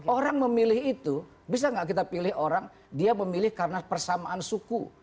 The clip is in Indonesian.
orang memilih itu bisa nggak kita pilih orang dia memilih karena persamaan suku